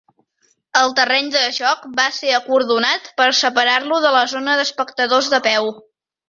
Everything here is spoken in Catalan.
El terreny de joc va ser acordonat per separar-lo de la zona d'espectadors de peu.